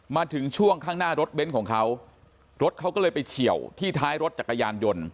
มาถึงช่วงข้างหน้ารถเบ้นของเขารถเขาก็เลยไปเฉียวที่ท้ายรถจักรยานยนต์